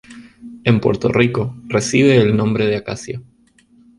En Puerto Rico recibe el nombre de acacia.